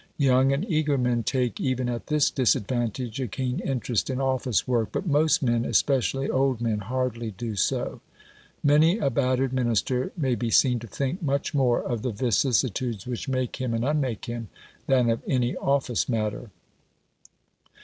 Young and eager men take, even at this disadvantage, a keen interest in office work, but most men, especially old men, hardly do so. Many a battered Minister may be seen to think much more of the vicissitudes which make him and unmake him, than of any office matter.